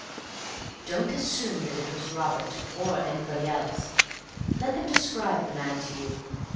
"Don't assume that it was Robert—or anybody else. Let them describe the man to you.